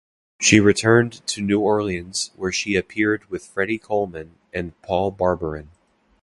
She returned to New Orleans, where she appeared with Freddie Kohlman and Paul Barbarin.